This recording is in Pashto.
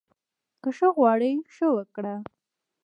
که ښه غواړې، ښه وکړه